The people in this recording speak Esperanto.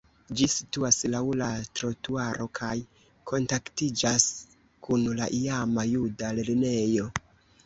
Ĝi situas laŭ la trotuaro kaj kontaktiĝas kun la iama juda lernejo.